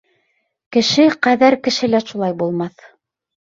Кеше ҡәҙәр кеше лә шулай булмаҫ!..